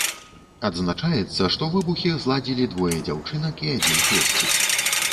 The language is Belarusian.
Адзначаецца, што выбухі зладзілі двое дзяўчынак і адзін хлопчык.